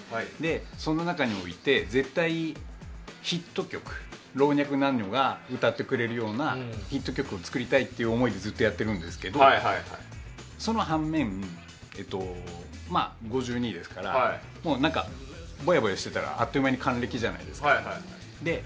その中において、絶対ヒット曲老若男女が歌ってくれるようなヒット曲を作りたいという思いでずっとやってるんですけどその反面、５２ですからぼやぼやしてたらあっという間に還暦じゃないですか。